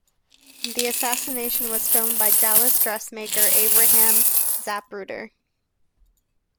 The assassination was filmed by Dallas dressmaker Abraham Zapruder.